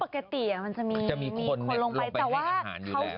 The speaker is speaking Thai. คือปกติมันจะมีคนลงไปให้อาหารอยู่แล้ว